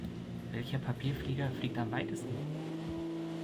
Welcher Papierflieger fliegt am weitesten?